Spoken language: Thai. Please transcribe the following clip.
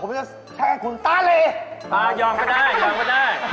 อ่ายอมก็ได้ยอมก็ได้